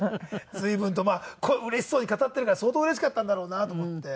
随分とまあうれしそうに語っているから相当うれしかったんだろうなと思って。